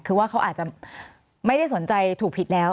คือว่าเขาอาจจะไม่ได้สนใจถูกผิดแล้ว